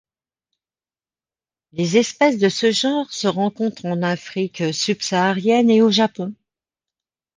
Les espèces de ce genre se rencontrent en Afrique subsaharienne et au Japon.